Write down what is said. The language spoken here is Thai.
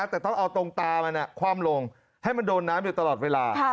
แต่ต้องเอาตรงตามันคว่ำลงให้มันโดนน้ำอยู่ตลอดเวลา